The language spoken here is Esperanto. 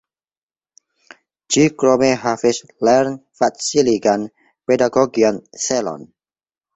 Ĝi krome havis lern-faciligan, pedagogian celon.